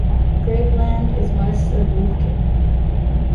Grapeland is west of Lufkin.